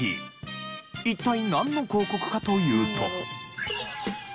一体なんの広告かというと。